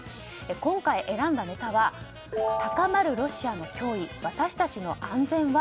今回、選んだネタは高まるロシアの脅威私たちの安全は？